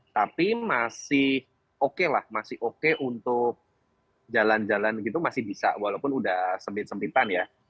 tapi masih oke lah masih oke untuk jalan jalan gitu masih bisa walaupun udah sempit sempitan ya